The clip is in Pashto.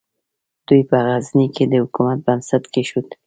دوی په غزني کې د حکومت بنسټ کېښود.